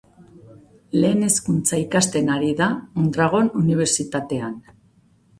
Lehen Hezkuntza ikasten ari da Mondragon Unibertsitatean.